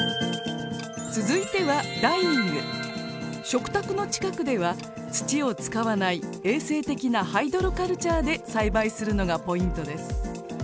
食卓の近くでは土を使わない衛生的なハイドロカルチャーで栽培するのがポイントです。